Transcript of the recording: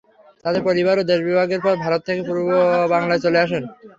তাদের পরিবারও দেশবিভাগের পর ভারত থেকে পূর্ববাংলায় চলে আসেন।